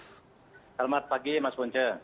selamat pagi mas bonce